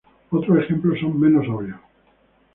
Otros ejemplos son menos obvios.